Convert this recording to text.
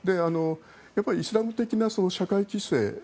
やっぱりイスラム的な社会規制